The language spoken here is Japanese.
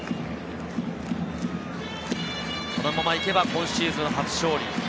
このまま行けば今シーズン初勝利。